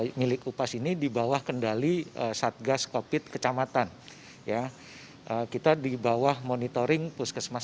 sementara milik upas ini dibawah kendali satgas kopit kecamatan ya kita dibawah monitoring puskesmas